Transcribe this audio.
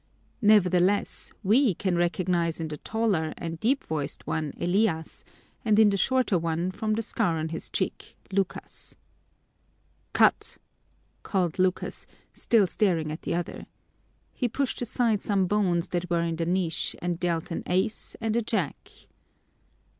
Nevertheless, we can recognize in the taller and deep voiced one Elias and in the shorter one, from the scar on his cheek, Lucas. "Cut!" called Lucas, still staring at the other. He pushed aside some bones that were in the niche and dealt an ace and a jack.